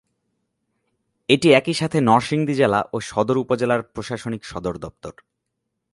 এটি একই সাথে নরসিংদী জেলা ও সদর উপজেলার প্রশাসনিক সদরদপ্তর।